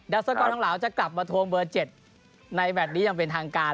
สกรทองเหลาจะกลับมาทวงเบอร์๗ในแมทนี้อย่างเป็นทางการ